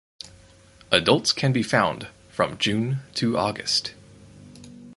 Adults can be found from June to August.